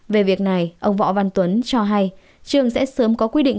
về việc này ông võ văn tuấn cho hay trường sẽ sớm có quy định